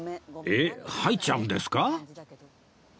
えっ入っちゃうんですか？